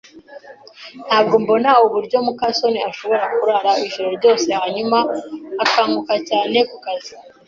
Ntabwo mbona uburyo muka soni ashobora kurara ijoro ryose hanyuma akanguka cyane kukazi.